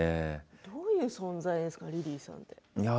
どういう存在ですかリリーさんは。